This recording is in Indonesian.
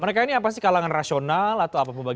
mereka ini apa sih kalangan rasional atau apapun